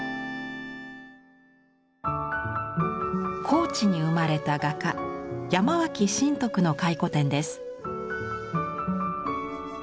高知に生まれた画家山脇信徳の回顧展です。